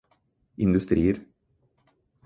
industrier